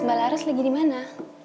mbak laras lagi dimana